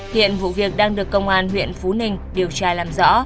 hiện vụ việc đang được công an huyện phú ninh điều tra làm rõ